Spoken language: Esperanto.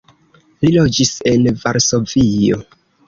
Li loĝis en Varsovio.